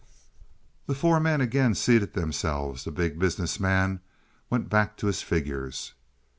The four men again seated themselves; the Big Business Man went back to his figures.